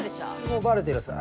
もうバレてるさ。